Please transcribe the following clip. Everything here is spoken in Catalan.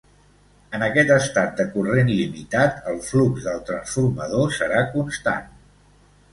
En aquest estat de corrent limitat, el flux del transformador serà constant.